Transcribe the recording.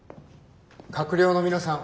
閣僚の皆さん